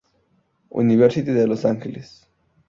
University de los Ángeles.